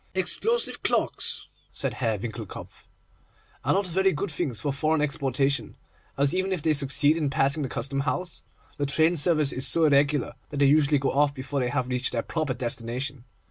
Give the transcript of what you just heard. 'Explosive clocks,' said Herr Winckelkopf, 'are not very good things for foreign exportation, as, even if they succeed in passing the Custom House, the train service is so irregular, that they usually go off before they have reached their proper destination.